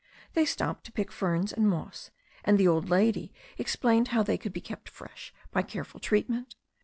They stopped to pick ferns and moss, and the old lady explained how they could be kept fresh by careful treatment.